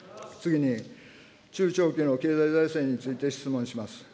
次に、中長期の経済財政について、質問します。